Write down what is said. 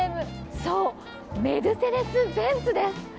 そう、メルセデス・ベンツです。